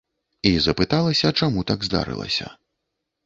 І запыталася, чаму так здарылася.